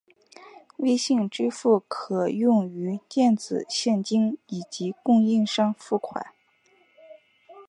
微信支付可用于电子现金以及供应商付款。